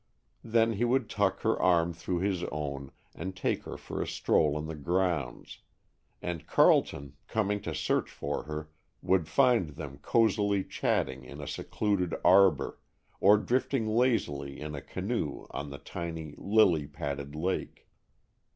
Then he would tuck her arm through his own, and take her for a stroll in the grounds, and Carleton, coming to search for her, would find them cosily chatting in a secluded arbor, or drifting lazily in a canoe on the tiny, lily padded lake.